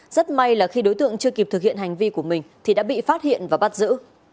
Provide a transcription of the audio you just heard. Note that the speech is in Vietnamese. rất may là khi đối tượng chưa kịp thực hiện hành vi của mình thì đã bị phát hiện và bắt giữ